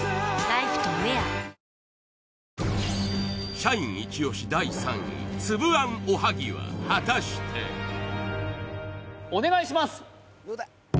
社員イチ押し第３位つぶあんおはぎは果たしてお願いします